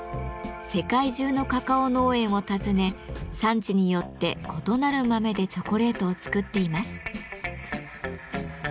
世界中のカカオ農園を訪ね産地によって異なる豆でチョコレートを作っています。